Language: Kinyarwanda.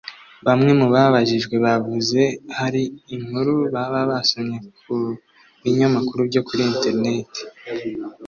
Bamwe mu babajijwe bavuze hari inkuru baba basomye ku binyamakuru byo kuri internet